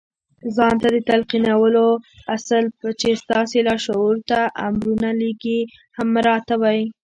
ځان ته د تلقينولو اصل چې ستاسې لاشعور ته امرونه لېږي هم مراعتوئ.